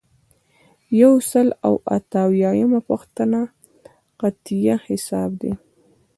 یو سل او اته اویایمه پوښتنه قطعیه حساب دی.